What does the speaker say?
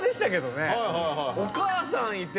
お母さんいて。